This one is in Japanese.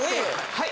はい。